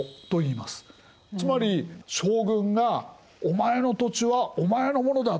つまり将軍が「お前の土地はお前のものだ。